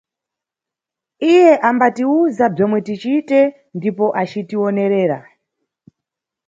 Iye ambatiwuza bzomwe ticite ndipo acitiwonerera.